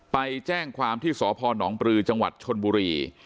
ไปแจ้งความที่สพนปรือจังหวัดชนบุรี